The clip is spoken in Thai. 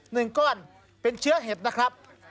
หนึ่งก้อนเป็นเชื้อเห็ดนะครับ